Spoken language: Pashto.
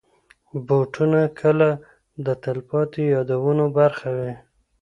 بوټونه کله د تلپاتې یادونو برخه وي.